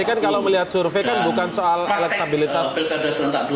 tapi kan kalau melihat survei bukan soal elektabilitas dan popularitas yang ada